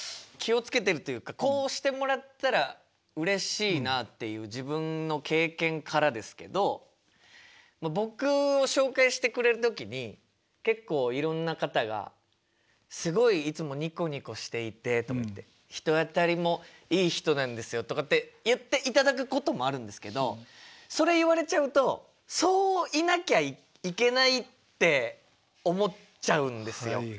気をつけてるっていうかこうしてもらったらうれしいなっていう自分の経験からですけど僕を紹介してくれる時に結構いろんな方が「すごいいつもにこにこしていて」とかって「人当たりもいい人なんですよ」とかって言っていただくこともあるんですけどそれ言われちゃうとそういなきゃいけないって思っちゃうんですよ。